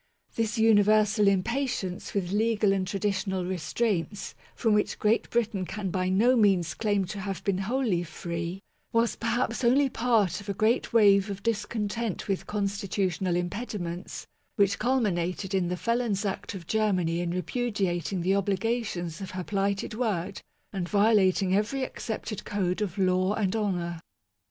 This universal impatience with legal and traditional restraints, from which Great Britain can by no means claim to have been wholly free, was perhaps only part of a great wave of discon tent with constitutional impediments, which culmin ated in the felon's act of Germany in repudiating the obligations of her plighted word and violating every accepted code of law and honour.